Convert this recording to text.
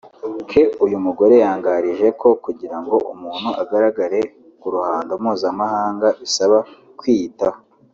ke uyu mugore yangarije ko kugira ngo umuntu agaragare ku ruhando mpuzamahanga bisaba kwiyitaho